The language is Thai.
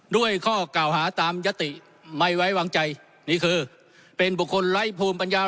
ด้วยข้อกล่าวหาตามยติไม่ไว้วางใจนี่คือเป็นบุคคลไร้ภูมิปัญญา